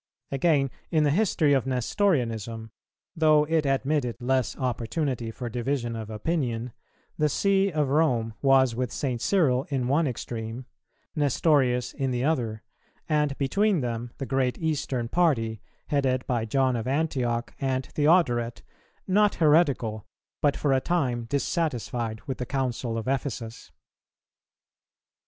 Again, in the history of Nestorianism, though it admitted less opportunity for division of opinion, the See of Rome was with St. Cyril in one extreme, Nestorius in the other, and between them the great Eastern party, headed by John of Antioch and Theodoret, not heretical, but for a time dissatisfied with the Council of Ephesus.